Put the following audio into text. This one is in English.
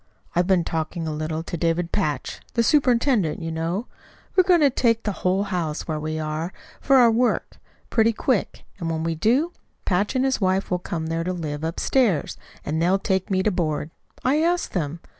"I've been talking a little to David Patch the superintendent, you know. We're going to take the whole house where we are, for our work, pretty quick, and when we do, Patch and his wife will come there to live upstairs; and they'll take me to board. I asked them.